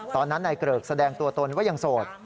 ตอนนั้นนายเกริกแสดงตัวตนว่ายังโสด